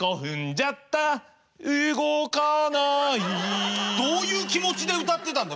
じゃったうごかないどういう気持ちで歌ってたんだ